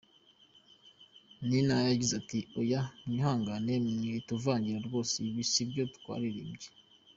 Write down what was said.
Nina yagize ati “Oya, mwihangane mwituvangira rwose, ibyo sibyo twaririmbye.